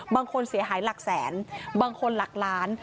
บางคนเสียหายหลักแสนบางคนหลักล้าน